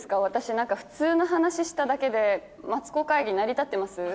私普通の話しただけで『マツコ会議』成り立ってます？